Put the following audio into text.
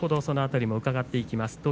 その辺りも伺っていきます。